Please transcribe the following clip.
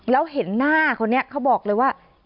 แล้วเห็นหน้าคนนี้เขาบอกเลยว่า